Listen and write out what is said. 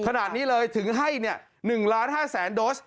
ขนาดนี้เลยถึงให้เนี่ยหนึ่งล้านห้าแสนโดส